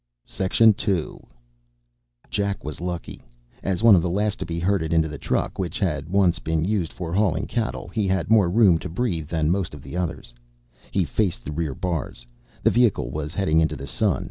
II Jack was lucky. As one of the last to be herded into the truck, which had been once used for hauling cattle, he had more room to breathe than most of the others. He faced the rear bars. The vehicle was heading into the sun.